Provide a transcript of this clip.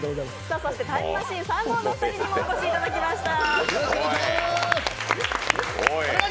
そしてタイムマシーン３号のお二人にもお越しいただきました。